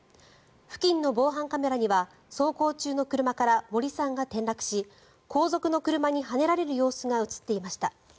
付近の防犯カメラには走行中の車から森さんが転落し後続の車にはねられる様子が映っていました。